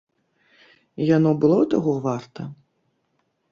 Яно было таго варта?